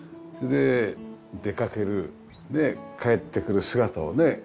それで出かける帰ってくる姿をね